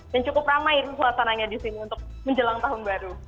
dan cukup ramai suasananya di sini untuk menjelang tahun baru